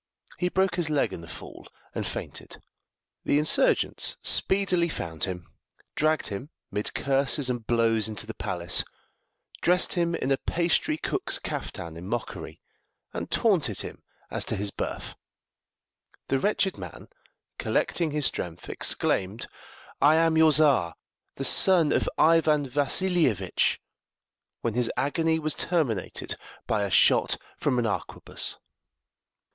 He broke his leg in the fall, and fainted. The insurgents speedily found him, dragged him mid curses and blows into the palace, dressed him in a pastrycook's caftan in mockery, and taunted him as to his birth. The wretched man, collecting his strength, exclaimed, "I am your Czar, the son of Ivan Vassilievitch!" when his agony was terminated by a shot from an arquebuss.